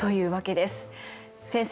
先生。